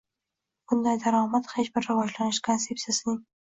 Bunday daromad hech bir rivojlanish konsepsiyasining